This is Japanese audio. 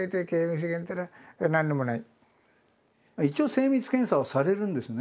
一応精密検査はされるんですね。